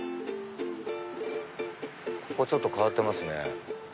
ここちょっと変わってますね。